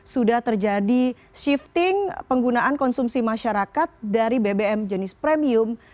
sudah terjadi shifting penggunaan konsumsi masyarakat dari bbm jenis premium